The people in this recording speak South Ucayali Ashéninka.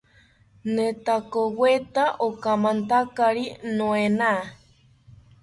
Netakoweta okamantakari noena